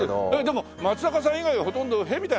でも松坂さん以外はほとんど屁みたいなもんでしょ？